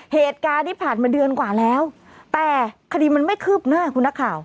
เหตุการณ์ที่ผ่านมาเดือนกว่าแล้วแต่คดีมันไม่คืบหน้าคุณนักข่าว